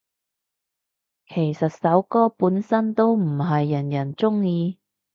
其實首歌本身都唔係人人鍾意